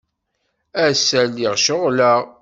Ass-a, lliɣ ceɣleɣ.